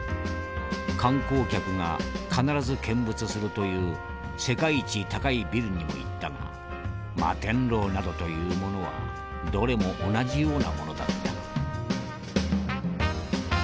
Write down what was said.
観光客が必ず見物するという世界一高いビルにも行ったが摩天楼などというものはどれも同じようなものだった」。